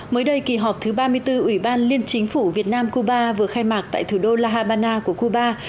mới đây kỳ họp thứ ba mươi bốn ủy ban liên chính phủ việt nam cuba vừa khai mạc tại thủ đô la habana của cuba